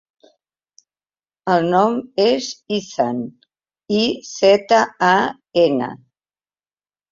El nom és Izan: i, zeta, a, ena.